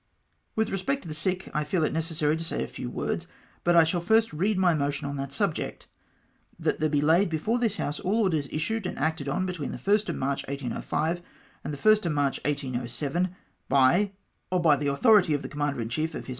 "' With respect to the sick, I feel it necessary to say a few words, but I shall first read my motion on that subject —" That there be laid before this House all orders issued and acted on between the 1st of March, 1805, and the 1st of March, 1807, by, or by the authority of the Commander in chief of H.M.'